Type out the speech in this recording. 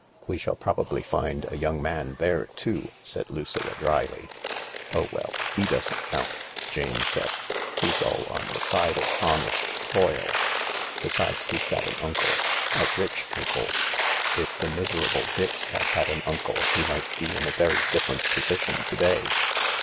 " We shall probably find a young man there too," said Lucilla dryly. "Oh, well— he doesn't count," Jane said. "He's all on the side of honest toil. Besides, he's got an uncle : a rich uncle, If the miserable Dix had had an uncle he might be in a very different position to day.